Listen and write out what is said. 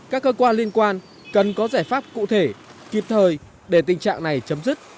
các cơ quan liên quan cần có giải pháp cụ thể kịp thời để tình trạng này chấm dứt